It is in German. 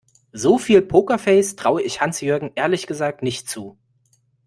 So viel Pokerface traue ich Hans-Jürgen ehrlich gesagt nicht zu.